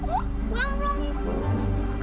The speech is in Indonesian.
udah pergi pergi pergi